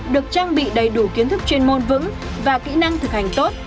được trang bị đầy đủ kiến thức chuyên môn vững và kỹ năng thực hành tốt